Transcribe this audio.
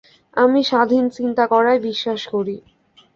আমি স্বাধীন চিন্তা করায় বিশ্বাস করি।